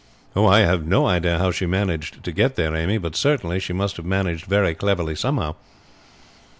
"I have no idea how she managed to get there, Amy; but certainly she must have managed very cleverly somehow.